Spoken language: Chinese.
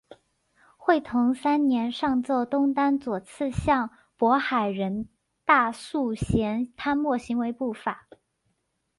会同三年上奏东丹左次相渤海人大素贤贪墨行为不法。